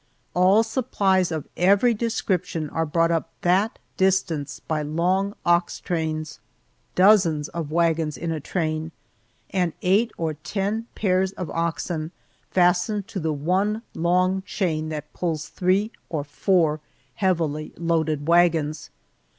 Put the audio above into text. All supplies of every description are brought up that distance by long ox trains dozens of wagons in a train, and eight or ten pairs of oxen fastened to the one long chain that pulls three or four heavily loaded wagons.